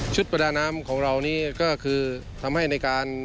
ประดาน้ำของเรานี่ก็คือทำให้ในการ